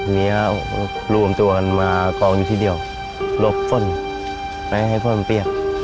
มีลูกอาวุธตัวกันไปกองอยู่ทีเดียวลบฝนได้ให้ฝนเปรียบ